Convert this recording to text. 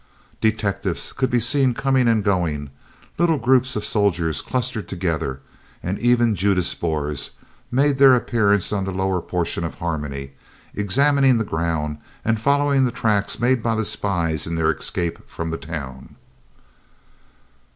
Detectives could be seen coming and going, little groups of soldiers clustered together, and even "Judas Boers" made their appearance on the lower portion of Harmony, examining the ground and following the tracks made by the spies in their escape from the town.